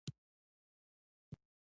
د حقوقو رعایت د ټولنې پرمختګ سبب دی.